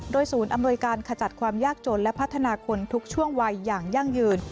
ศูนย์อำนวยการขจัดความยากจนและพัฒนาคนทุกช่วงวัยอย่างยั่งยืน